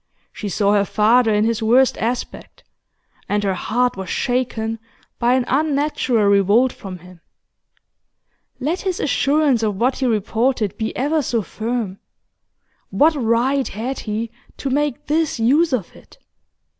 She saw her father in his worst aspect, and her heart was shaken by an unnatural revolt from him. Let his assurance of what he reported be ever so firm, what right had he to make this use of it?